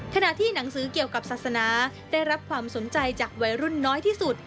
ขณะที่หนังสือเกี่ยวกับศาสนาได้รับความสนใจจากวัยรุ่นน้อยที่สุด